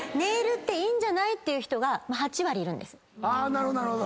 なるほどなるほど。